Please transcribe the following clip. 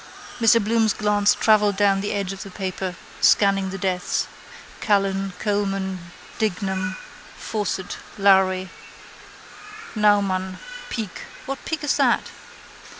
Mr Bloom's glance travelled down the edge of the paper, scanning the deaths: Callan, Coleman, Dignam, Fawcett, Lowry, Naumann, Peake, what Peake is that?